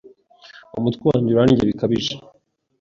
Umutwe wanjye urandya bikabije